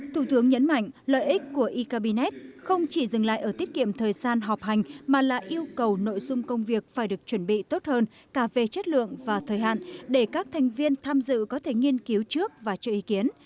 thủ tướng nhấn mạnh lợi ích của e cabinet không chỉ dừng lại ở tiết kiệm thời gian họp hành mà là yêu cầu nội dung công việc phải được chuẩn bị tốt hơn cả về chất lượng và thời hạn để các thành viên tham dự có thể nghiên cứu trước và cho ý kiến